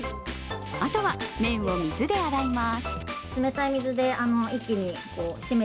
あとは麺を水で洗います。